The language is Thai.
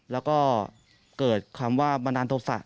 แล้วก็เกิดคำว่าบันดาลโทษะ